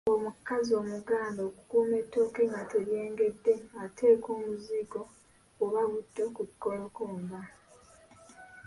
Omukazi Omuganda okukuuma ettooke nga teryengedde, ateeka omuzigo oba butto ku kikolokomba.